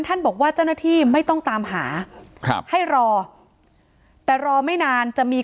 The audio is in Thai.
ท่านบอกว่าเจ้าหน้าที่ไม่ต้องตามหาครับให้รอแต่รอไม่นานจะมี